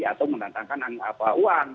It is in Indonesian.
atau mendatangkan uang